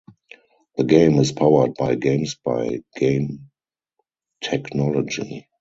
The game is powered by Gamespy game technology.